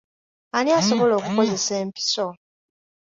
Ani asobola okukozesa empiso?